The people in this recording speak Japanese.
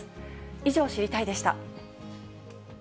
以上、知りたいッ！でした。